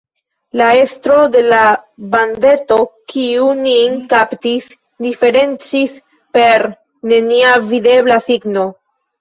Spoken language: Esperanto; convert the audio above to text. La estro de la bandeto, kiu nin kaptis, diferencis per nenia videbla signo.